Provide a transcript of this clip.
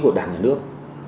của đảng nhà nước